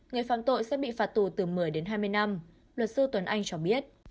người phạm tội sẽ bị phạt tù từ một mươi đến hai mươi năm luật sư tuấn anh cho biết